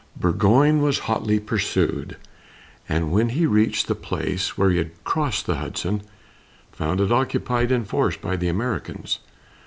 Burgoyne was hotly pursued, and when he reached the place where he had crossed the Hudson, found it occupied in force by the Americans.